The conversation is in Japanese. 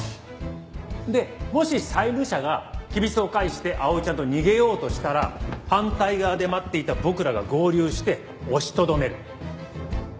でもし債務者が踵を返して碧唯ちゃんと逃げようとしたら反対側で待っていた僕らが合流して押しとどめる。